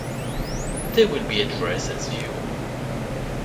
They will be addressed as vul.